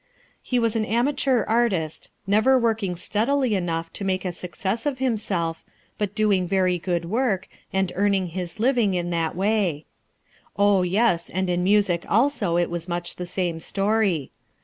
He was an amateur artist, never working stead ily enough to make a success for himself, but doing very good work, and earning his living in that way, Oh, yes, and in music also, it was much the same story.